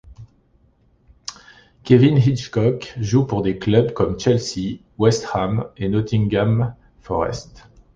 Kevin Hitchcock joue pour des clubs comme Chelsea, West Ham et Nottingham Forest.